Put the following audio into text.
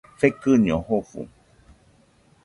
Fekɨño jofo.